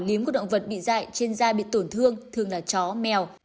ním của động vật bị dạy trên da bị tổn thương thường là chó mèo